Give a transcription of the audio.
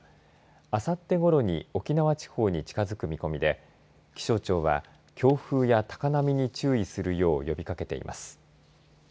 あさってごろに沖縄地方に近づく見込みで気象庁は強風や高波に注意するよう呼びかけています。